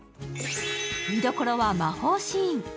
見どころは魔法シーン。